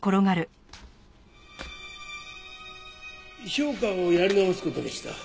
評価をやり直す事にした。